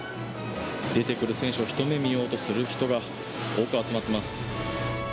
出てくる選手を一目見ようとする人が、多く集まってます。